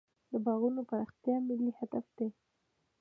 د باغونو پراختیا ملي هدف دی.